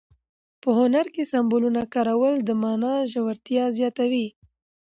په هنر کې د سمبولونو کارول د مانا ژورتیا زیاتوي.